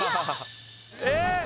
えっ？